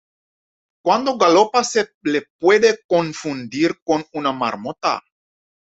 Cuando galopa se le puede confundir con una marmota.